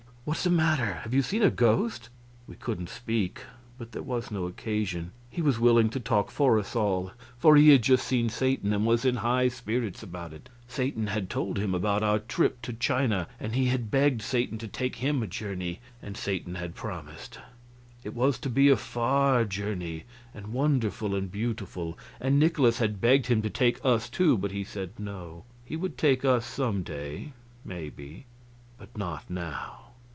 What is the matter? Have you seen a ghost?" We couldn't speak, but there was no occasion; he was willing to talk for us all, for he had just seen Satan and was in high spirits about it. Satan had told him about our trip to China, and he had begged Satan to take him a journey, and Satan had promised. It was to be a far journey, and wonderful and beautiful; and Nikolaus had begged him to take us, too, but he said no, he would take us some day, maybe, but not now.